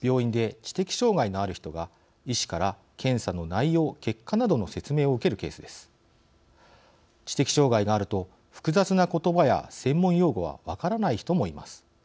知的障害があると複雑な言葉や専門用語は分からない人もいます。